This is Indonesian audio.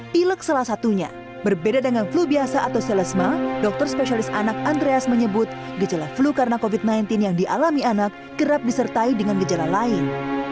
pilek salah satunya berbeda dengan flu biasa atau selesma dokter spesialis anak andreas menyebut gejala flu karena covid sembilan belas yang dialami anak kerap disertai dengan gejala lain